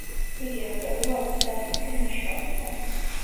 იგი ავტორია ორმოცდაათამდე ნაშრომისა.